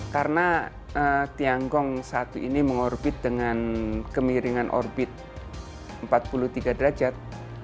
karena tiangong satu ini mengorbit dengan kemiringan orbit empat puluh tiga derajat